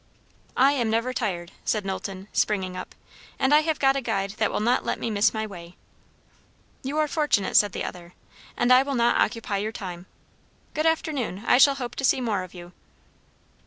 "I am never tired," said Knowlton, springing up; "and I have got a guide that will not let me miss my way." "You are fortunate," said the other. "And I will not occupy your time. Good afternoon! I shall hope to see more of you."